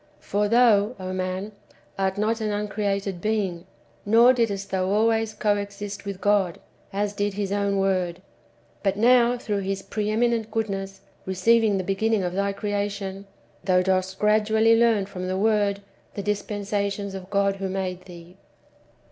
For thou, O man, art not an uncreated being, nor didst thou always co exist " with God, as did His own Word ; but now, through His pre eminent goodness, receiving the beginning of thy creation, thou dost gradually learn from the Word the dispensations of God who made thee.